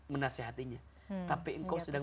menasehatinya tapi engkau sedang